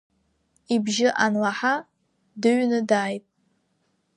Ибжьы анлаҳа, дыҩны дааит.